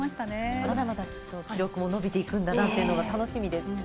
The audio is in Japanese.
まだまだきっと記録も伸びていくんだなと思って楽しみです。